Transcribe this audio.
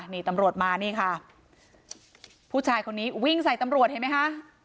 นี่ตำรวจมานี่ค่ะผู้ชายคนนี้วิ่งใส่ตำรวจเห็นไหมคะ